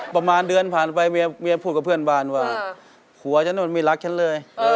ประมาณเดือนผ่านไปเมียพูดกับเพื่อนบ้านว่าผัวฉันนู่นไม่รักฉันเลย